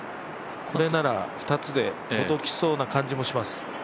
これなら２つで届きそうな感じもします。